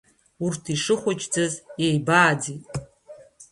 Урҭ ишыхәыҷқәаз еибааӡеит.